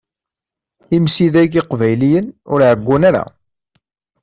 Imsidag iqbayliyen ur ɛeggun ara.